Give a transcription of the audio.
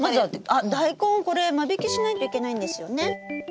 あダイコンこれ間引きしないといけないんですよね？